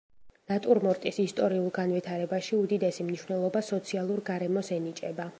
ნატურმორტის ისტორიულ განვითარებაში უდიდესი მნიშვნელობა სოციალურ გარემოს ენიჭება.